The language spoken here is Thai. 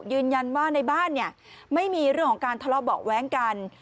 ยืนยันว่าในบ้านเนี่ยไม่มีเรื่องของการทะเลาะเบาะแว้งกัน